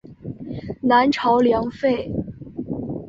南朝梁废。